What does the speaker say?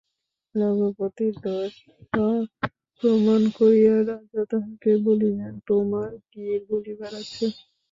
রঘুপতির দোষ সপ্রমাণ করিয়া রাজা তাঁহাকে বলিলেন, তোমার কী বলিবার আছে?